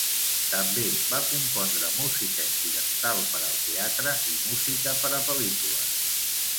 També va compondre música incidental per al teatre i música per a pel·lícules.